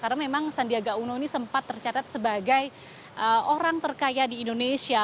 karena memang sandiaga uno ini sempat tercatat sebagai orang terkaya di indonesia